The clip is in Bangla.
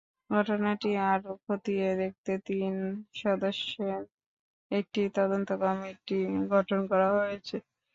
ঘটনাটি আরও খতিয়ে দেখতে তিন সদস্যের একটি তদন্ত কমিটি গঠন করা হয়েছে।